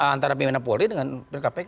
antara bimena polri dengan bimena kpk